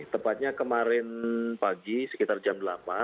tepatnya kemarin pagi sekitar jam delapan